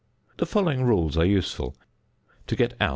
The following rules are useful: To get ozs.